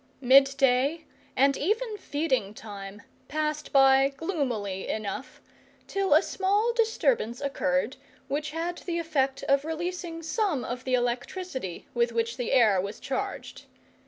Mid day, and even feeding time, passed by gloomily enough, till a small disturbance occurred which had the effect of releasing some of the electricity with which the air was charged.